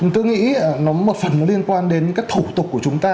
tôi nghĩ nó một phần liên quan đến các thủ tục của chúng ta